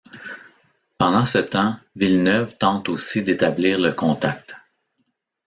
Pendant ce temps, Villeneuve tente aussi d'établir le contact.